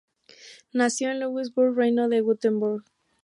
Nació en Ludwigsburg, reino de Württemberg.